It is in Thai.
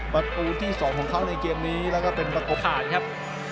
ประตูที่๒ของเขาในเกมนี้แล้วก็เป็นประตูขาดครับ